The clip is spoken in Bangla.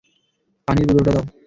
পানির বোতলটা দাও।